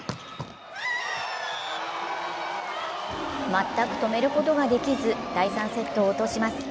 全く止めることができず、第３セットを落とします。